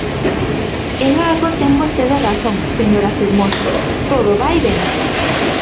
En algo ten vostede razón, señora Fermoso: todo vai ben.